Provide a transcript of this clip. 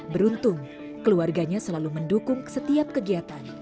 beruntung keluarganya selalu mendukung setiap kegiatan